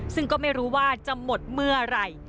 ซึ่งก็ไม่รู้ว่าจะหมดเมื่อไหร่